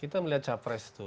kita melihat capres itu